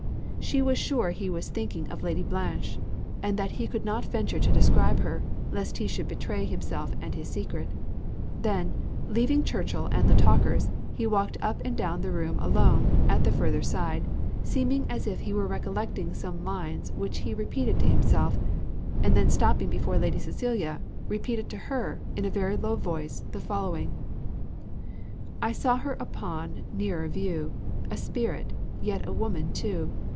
She was sure he was thinking of Lady Blanche, and that he could not venture to describe her, lest he should betray himself and his secret. Then, leaving Churchill and the talkers, he walked up and down the room alone, at the further side, seeming as if he were recollecting some lines which he repeated to himself, and then stopping before Lady Cecilia, repeated to her, in a very low voice, the following: "I saw her upon nearer view, A spirit, yet a woman too!